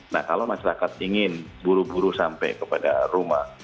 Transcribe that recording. nah kalau masyarakat ingin buru buru sampai kepada rumah